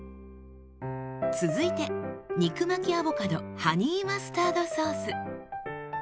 続いて肉巻きアボカドハニーマスタードソース。